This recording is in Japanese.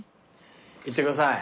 いってください。